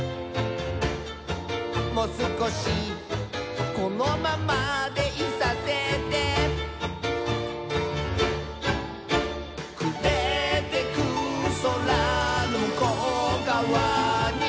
「もすこしこのままでいさせて」「くれてくそらのむこうがわに」